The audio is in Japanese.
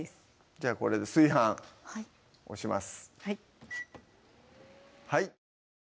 じゃあこれで炊飯押します